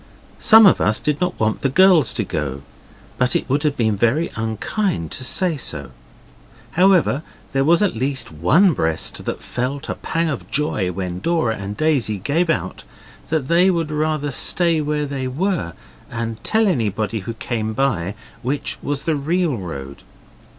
Some of us did not want the girls to go, but it would have been unkind to say so. However, there was at least one breast that felt a pang of joy when Dora and Daisy gave out that they would rather stay where they were and tell anybody who came by which was the real road.